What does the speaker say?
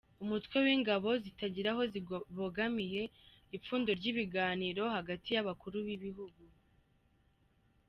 Umutwe w’ingabo zitagira aho zibogamiye; ipfundo ry’ibiganiro hagati y’abakuru b’ibihugu